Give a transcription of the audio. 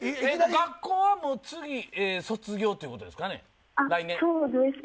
学校は次卒業ということですか。